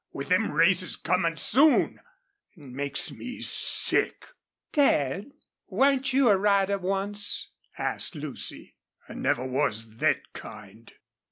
With them races comin' soon! It makes me sick." "Dad, weren't you a rider once?" asked Lucy. "I never was thet kind."